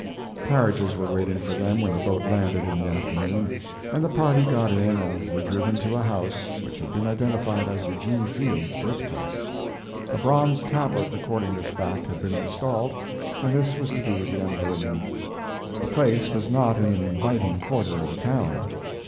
Carriages were waiting for them when the boat landed in the afternoon, and the party got in and were driven to a house which had been identified as Eugene Field's birthplace. A bronze tablet recording this fact had been installed, and this was to be the unveiling. The place was not in an inviting quarter of the town.